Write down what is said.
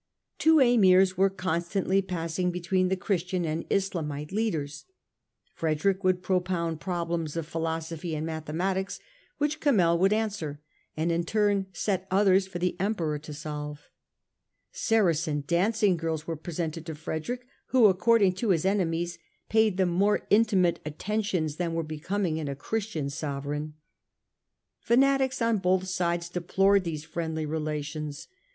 Two Emirs were constantly passing between the Christian and Islamite leaders. Frederick would pro pound problems of philosophy and mathematics which Kamel would answer and in turn set others for the Emperor to solve. Saracen dancing girls were presented to Frederick who, according to his enemies, paid them more intimate attentions than were becoming in a Christian sovereign. Fanatics on both sides deplored these friendly relations.